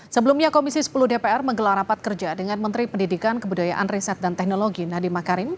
sebelumnya komisi sepuluh dpr menggelar rapat kerja dengan menteri pendidikan kebudayaan riset dan teknologi nadiem makarim